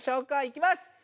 いきます！